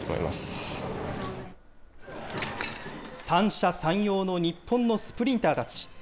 三者三様の日本のスプリンターたち。